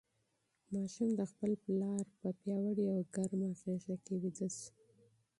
ماشوم د خپل پلار په پیاوړې او ګرمه غېږ کې ویده شو.